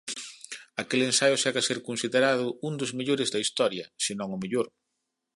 Aquel ensaio segue a ser considerado un dos mellores da historia senón o mellor.